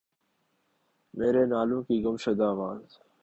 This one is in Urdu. میرے نالوں کی گم شدہ آواز